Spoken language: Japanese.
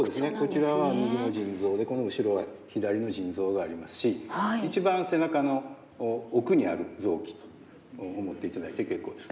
こちらは右の腎臓でこの後ろは左の腎臓がありますし一番背中の奥にある臓器と思って頂いて結構です。